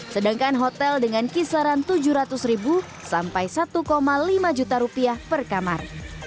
sedangkan hotel dengan kisaran rp tujuh ratus sampai rp satu lima ratus per kamar